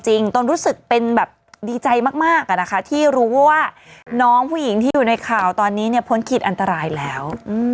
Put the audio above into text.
ฉันต้องรู้สึกดีใจมากค่ะนะคะที่รู้ว่าน้องผู้หญิงที่อยู่ในข่าวตอนนี้โพนเขียนอันตรายแล้ว